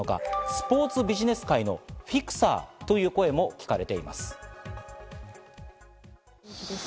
スポーツビジネス界のフィクサーという声も聞かれています。